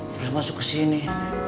terus masuk kesini